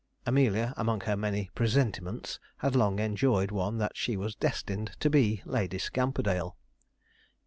Amelia, among her many 'presentiments,' had long enjoyed one that she was destined to be Lady Scamperdale.